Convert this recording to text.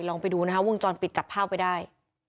ลองไปดูนะคะวงจรปิดจับภาพไว้ได้